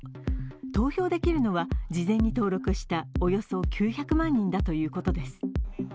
投票できるのは事前に登録したおよそ９００万人だということです。